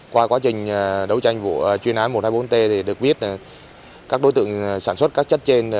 qua quá trình đấu tranh của chuyên án một trăm hai mươi bốn t thì được biết là các đối tượng sản xuất các chất trên